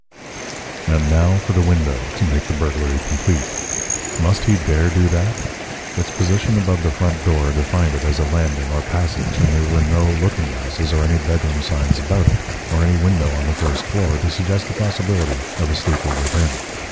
And now for the window, to make the burglary complete! Must he dare do that? Its position above the front door defined it as a landing or passage, and there were no looking glasses or any bedroom signs about it, or any other window on the first floor, to suggest the possibility of a sleeper within.